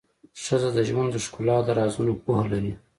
ښځه د ژوند د ښکلا د رازونو پوهه لري.